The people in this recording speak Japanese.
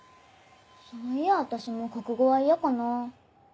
そういや私も国語は嫌かな。